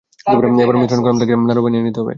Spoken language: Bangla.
এবার মিশ্রণ গরম থাকতেই নাড়ু বানিয়ে নিতে হবে।